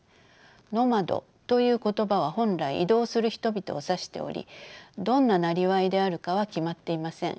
「Ｎｏｍａｄ」という言葉は本来移動する人々を指しておりどんななりわいであるかは決まっていません。